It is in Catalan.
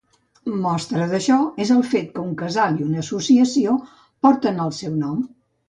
Mostra d'això és el fet que un casal i una associació porten el seu nom.